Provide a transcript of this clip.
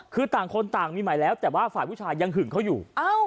คือต่างคนต่างมีใหม่แล้วแต่ว่าฝ่ายผู้ชายยังหึงเขาอยู่